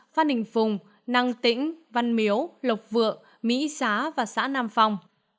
phan đình phùng năng tĩnh văn miếu lộc vựa mỹ xá và xã nam phong